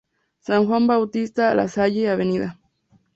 San Juan Bautista Lasalle, Av.